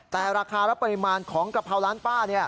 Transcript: แต่ราคาและปริมาณของกะเพราร้านป้า